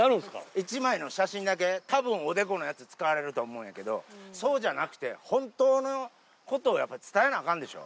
１枚の写真だけ、たぶん、おでこのやつ使われると思うんやけど、そうじゃなくて、本当のことをやっぱ伝えなあかんでしょ。